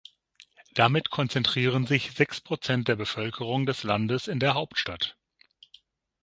Damit konzentrieren sich sechs Prozent der Bevölkerung des Landes in der Hauptstadt.